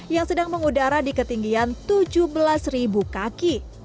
yang sedang mengudara di ketinggian tujuh belas kaki